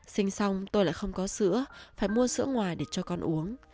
sinh xong tôi lại không có sữa phải mua sữa ngoài để cho con uống